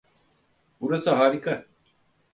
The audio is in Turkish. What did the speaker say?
Burası harika!